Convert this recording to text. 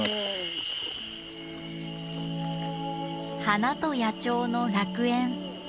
花と野鳥の楽園。